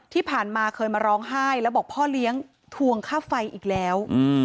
ที่ผ่านมาเคยมาร้องไห้แล้วบอกพ่อเลี้ยงทวงค่าไฟอีกแล้ว